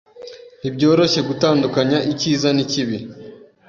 Ntibyoroshye gutandukanya icyiza n'ikibi.